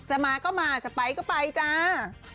มาก็มาจะไปก็ไปจ้า